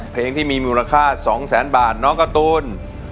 เพลงที่มีมูลค่า๒แสนบาทน้องการ์ตูน